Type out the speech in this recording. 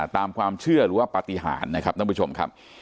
ตามความเชื่อหรือว่าปฏิหารนะครับท่านผู้ชมครับ